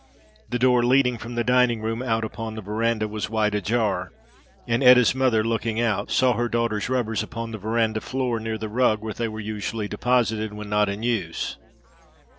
The door leading from the dining room out upon the veranda was wide ajar, and Etta's mother, looking out, saw her daughter's rubbers upon the veranda floor near the rug where they were usually deposited when not in use.